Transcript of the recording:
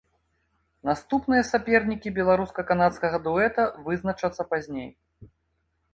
Наступныя сапернікі беларуска-канадскага дуэта вызначацца пазней.